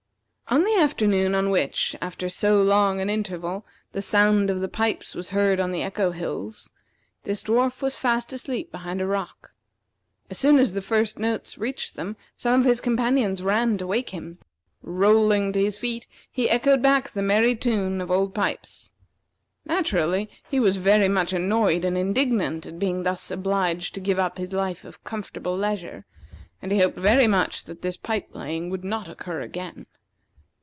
On the afternoon on which, after so long an interval, the sound of the pipes was heard on the echo hills, this dwarf was fast asleep behind a rock. As soon as the first notes reached them, some of his companions ran to wake him. Rolling to his feet, he echoed back the merry tune of Old Pipes. Naturally, he was very much annoyed and indignant at being thus obliged to give up his life of comfortable leisure, and he hoped very much that this pipe playing would not occur again.